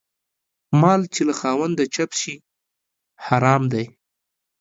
مال چې له خاونده چپ سي حرام دى.